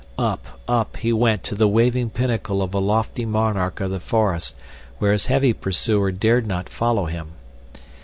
Up, up he went to the waving pinnacle of a lofty monarch of the forest where his heavy pursuer dared not follow him.